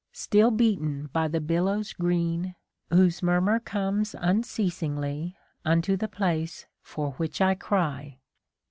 Still beaten by the billows green Whose murmur comes unceasingly Unto the place for which I cry.